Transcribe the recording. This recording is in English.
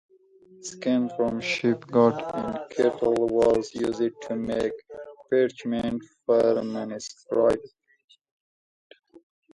Skin from sheep, goat and cattle was used to make parchment for manuscripts.